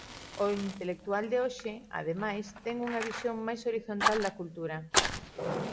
O intelectual de hoxe, ademais, ten unha visión máis horizontal da cultura.